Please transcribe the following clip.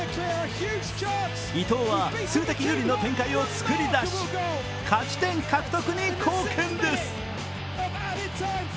伊東は数的有利の展開を作り出し勝ち点獲得に貢献です。